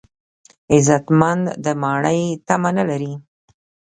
غیرتمند د ماڼۍ تمه نه لري